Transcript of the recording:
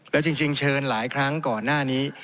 แล้วจริงเชิญหลายครั้งก่อนหน้านี้